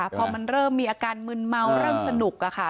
พอมันเริ่มมีอาการมึนเมาเริ่มสนุกค่ะ